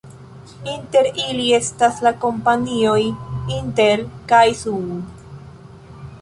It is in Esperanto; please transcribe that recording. Inter ili estas la kompanioj Intel kaj Sun.